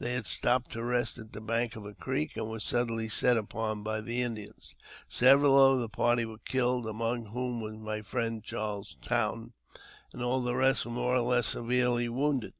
They had stopped to rest on the bank of a creek, and were suddenly set upon by the Indians. Several of the party were killed, among whom was my friend Charles Towne, and all the rest were more or less severely wounded.